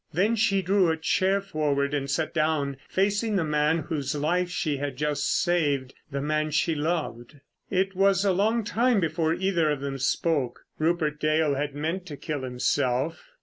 Then she drew a chair forward and sat down, facing the man whose life she had just saved, the man she loved. It was a long time before either of them spoke. Rupert Dale had meant to kill himself.